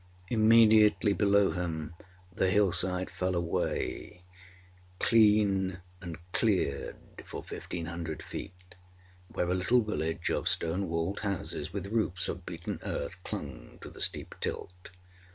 Immediately below him the hillside fell away, clean and cleared for fifteen hundred feet, where a little village of stone walled houses, with roofs of beaten earth, clung to the steep tilt.